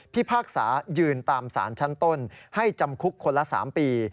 พากษายืนตามสารชั้นต้นให้จำคุกคนละ๓ปี